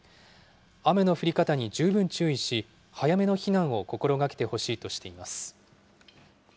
雨の降り方に十分注意し、早めの避難を心がけてほしいとしています。